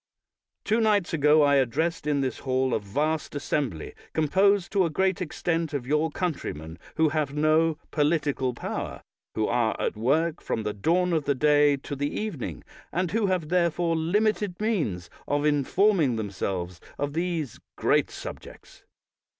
Two nights ago I addressed in this hall a vast assembly composed to a great extent of your countrymen who have no political power, who are at work from the dawn of the day to the evening, and who have therefore limited means of informing themselves on these great sub jects.